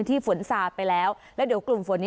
โดยการติดต่อไปก็จะเกิดขึ้นการติดต่อไป